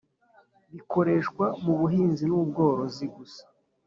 bikoreshwa mu buhinzi n ubworozi gusa